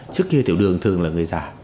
trước kia tiểu đường thường là người già